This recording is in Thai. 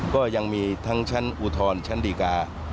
ก็ยังมีทั้งชั้นอุทธรณ์ชั้นดีกา